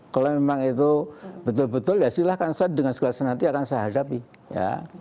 kalau memang itu betul betul ya silahkan saya dengan segala senanti akan saya hadapi ya